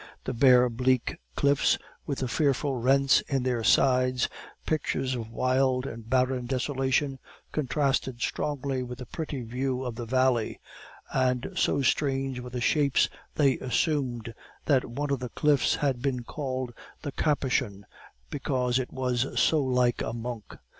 The bare, bleak cliffs, with the fearful rents in their sides, pictures of wild and barren desolation, contrasted strongly with the pretty view of the valley; and so strange were the shapes they assumed, that one of the cliffs had been called "The Capuchin," because it was so like a monk.